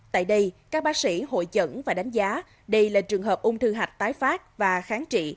tại đây các bác sĩ hội chẩn và đánh giá đây là trường hợp ung thư hạch tái phát và kháng trị